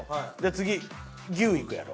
次牛行くやろ？